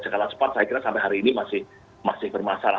sekarang cepat saya kira sampai hari ini masih bermasalah